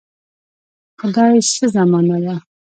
خدایه څه زمانه ده.